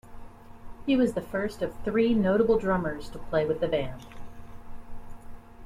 He was the first of three notable drummers to play with the band.